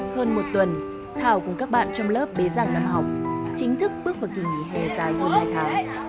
hơn một tuần thảo cùng các bạn trong lớp bế giảng năm học chính thức bước vào kỳ nghỉ hè dài hơn hai tháng